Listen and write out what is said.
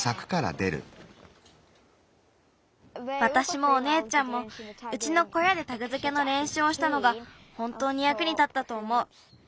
わたしもおねえちゃんもうちのこやでタグづけのれんしゅうをしたのがほんとうにやくにたったとおもう。